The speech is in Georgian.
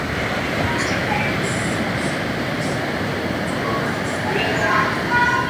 იყენებენ სასოფლო-სამეურნეო ცხოველთა საკვებად.